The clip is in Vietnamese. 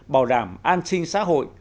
bảo đảm an sinh xã hội